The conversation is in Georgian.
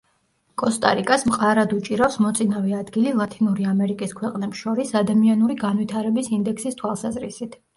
კოსტა–რიკას მყარად უჭირავს მოწინავე ადგილი ლათინური ამერიკის ქვეყნებს შორის ადამიანური განვითარების ინდექსის თვალსაზრისით.